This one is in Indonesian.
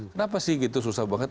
kenapa sih gitu susah banget